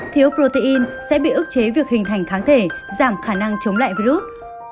thiếu protein sẽ bị ức chế việc hình thành kháng thể giảm khả năng chống lại virus